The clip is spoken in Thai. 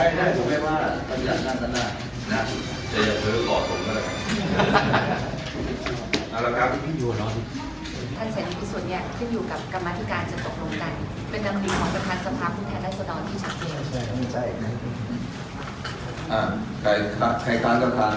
เป็นการคืนของประทานสภาพคุณแทนได้สนองที่ฉันเจนอ่าใครใครค้างก็ค้างจริง